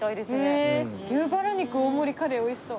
「牛ばら肉の大盛りカレー」美味しそう。